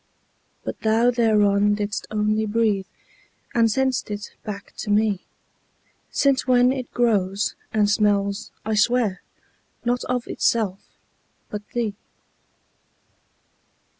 But thou thereon didst only breathe, And sent'st back to me: Since when it grows, and smells, I swear, Not of itself, but thee.